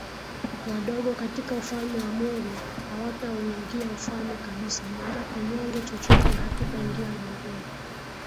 Wadogo katika ufalme wa Mungu hawatauingia ufalme kabisa maana kinyonge chochote hakitaingia Mbinguni